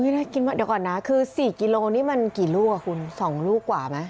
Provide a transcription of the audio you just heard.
เดี๋ยวก่อนนะคือ๔กิโลนี่มันกี่ลูกคุณ๒ลูกกว่าไหม